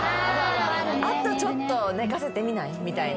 あとちょっと寝かせてみない？みたいな。